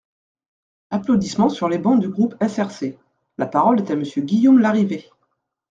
(Applaudissements sur les bancs du groupe SRC.) La parole est à Monsieur Guillaume Larrivé.